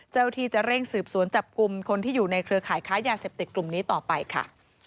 เจ้าหน้าที่จะเร่งสืบสวนจับกลุ่มคนที่อยู่ในเครือข่ายค้ายาเสพติดกลุ่มนี้ต่อไปค่ะ